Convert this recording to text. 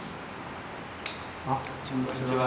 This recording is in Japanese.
あっこんにちは。